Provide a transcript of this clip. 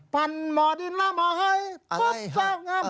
ปั่นหมอดินล่าหมอไฮปุ๊บสาวงำ